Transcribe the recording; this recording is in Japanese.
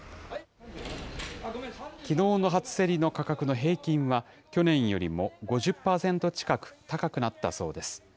きのうの初競りの価格の平均は、去年よりも５０％近く高くなったそうです。